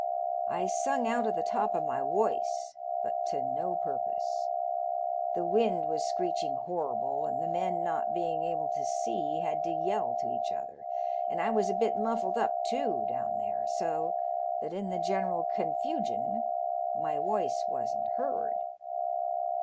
I sung out at the top o* my woice, but to no purpose. The wind was screeching horrible, and the men not bein' able to see had to yell to each other, and I was a bit muffled up too down there, so that in th' general confugion my woice wasn't heard.